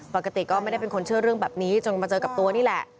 ปกติก็ไม่ได้เป็นคนเชื่อเรื่องแบบนี้จนมาเจอกับตัวนี่แหละ